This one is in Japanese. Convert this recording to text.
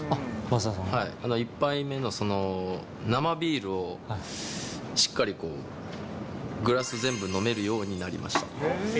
１杯目の生ビールをしっかりこう、グラス全部飲めるようになりました。